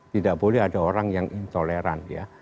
tidak boleh ada orang yang intoleran ya